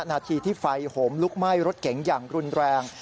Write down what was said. นาทีที่ไฟโหมลุกไหม้รถเก๋งอย่างรุนแรง